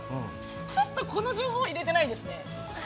ちょっとこの情報は入れてないですね。